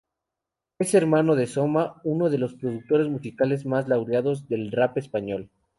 Es hermano de Soma, uno de los productores musicales más laureados del rap español.